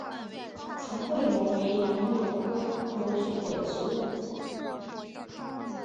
长穗柳为杨柳科柳属的植物。